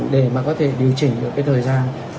để mà có thể điều chỉnh được cái thời gian